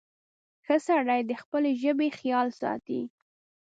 • ښه سړی د خپلې ژبې خیال ساتي.